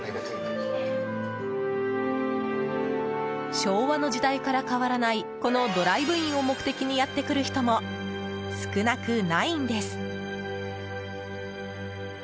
昭和の時代から変わらないこのドライブインを目的にやってくる人も少なくないんです。